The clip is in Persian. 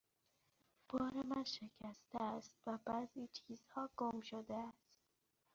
بار من شکسته است و بعضی چیزها گم شده است.